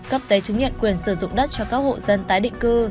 cấp giấy chứng nhận quyền sử dụng đất cho các hộ dân tái định cư